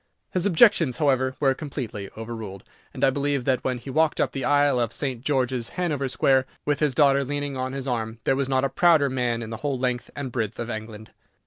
His objections, however, were completely overruled, and I believe that when he walked up the aisle of St. George's, Hanover Square, with his daughter leaning on his arm, there was not a prouder man in the whole length and breadth of England.